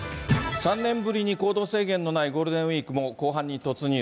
３年ぶりに行動制限のないゴールデンウィークも、後半に突入。